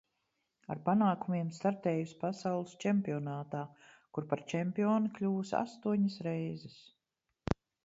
Ar panākumiem startējusi pasaules čempionātā, kur par čempioni kļuvusi astoņas reizes.